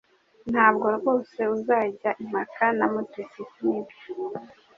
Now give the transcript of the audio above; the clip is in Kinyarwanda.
Ntabwo rwose uzajya impaka na Mutesi nibyo